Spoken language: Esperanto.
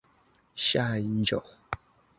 ŝanĝo